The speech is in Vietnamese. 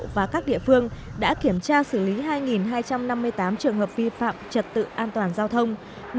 và các địa phương đã kiểm tra xử lý hai hai trăm năm mươi tám trường hợp vi phạm trật tự an toàn giao thông